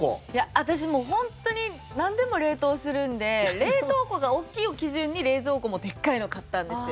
私もう本当になんでも冷凍するんで冷凍庫が大きいを基準に冷蔵庫もでっかいのを買ったんですよ。